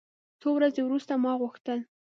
څو ورځې وروسته ما غوښتل.